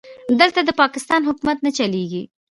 دلته د پاکستان حکومت نه چلېږي.